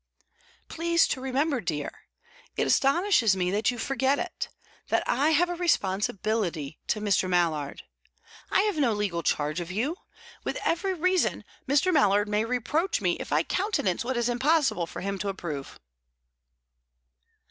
"Please to remember, dear it astonishes me that you forget it that I have a responsibility to Mr. Mallard. I have no legal charge of you. With every reason, Mr. Mallard may reproach me if I countenance what it is impossible for him to approve."